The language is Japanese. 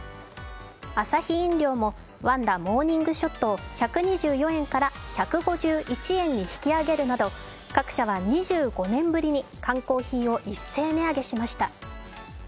アサヒ飲料もワンダモーニングショットを１２４円から１５１円に引き上げるなど、各社は２５年ぶりに缶コーヒーを一斉値上げしました。